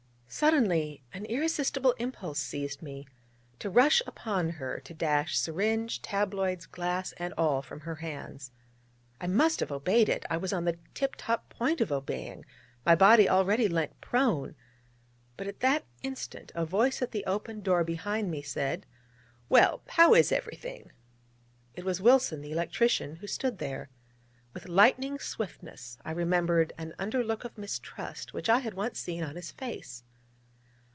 Suddenly an irresistible impulse seized me to rush upon her, to dash syringe, tabloids, glass, and all, from her hands. I must have obeyed it I was on the tip top point of obeying my body already leant prone: but at that instant a voice at the opened door behind me said: 'Well, how is everything?' It was Wilson, the electrician, who stood there. With lightning swiftness I remembered an under look of mistrust which I had once seen on his face.